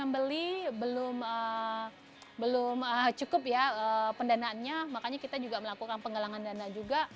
beli belum cukup ya pendanaannya makanya kita juga melakukan penggalangan dana juga